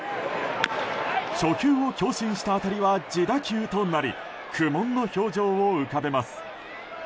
初球を強振した当たりは自打球となり苦悶の表情を浮かべます。